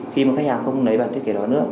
khi mà khách hàng không lấy vào thiết kế đó nữa